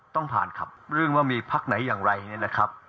ต้องผ่านครับเรื่องว่ามีพักไหนอย่างไรเนี่ยนะครับ